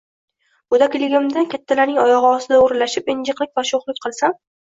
Goʻdakligimda kattalarning oyogʻi ostida oʻralashib, injiqlik yoki shoʻxlik qilsam